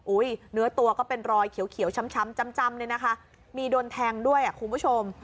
เนื้อตัวก็เป็นรอยเขียวช้ำจำเลยนะคะมีโดนแทงด้วยอ่ะคุณผู้ชม